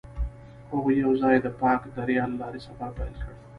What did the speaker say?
هغوی یوځای د پاک دریا له لارې سفر پیل کړ.